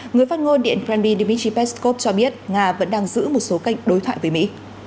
người phát ngôn điện kremlin dmitry peskov cho biết nga vẫn đang giữ một số kênh đối thoại với mỹ